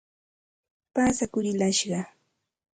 Pasakurillashqaa.